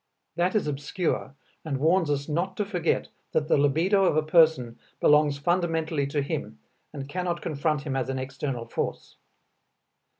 That is obscure and warns us not to forget that the libido of a person belongs fundamentally to him and cannot confront him as an external force.